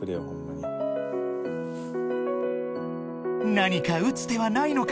［何か打つ手はないのか？